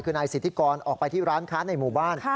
คือนายสิทธิกรออกไปที่ร้านค้าในหมู่บ้าน